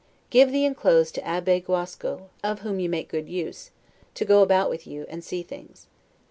Give the inclosed to Abbe Guasco, of whom you make good use, to go about with you, and see things.